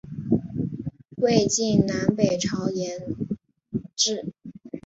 魏晋南北朝沿置。